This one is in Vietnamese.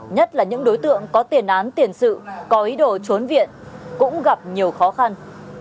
nhất là những đối tượng có tiền án tiền sự có ý đồ trốn viện cũng gặp nhiều khó khăn